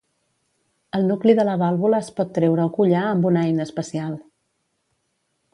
El nucli de la vàlvula es pot treure o collar amb una eina especial.